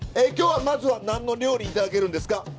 今日はまずは何の料理頂けるんですか？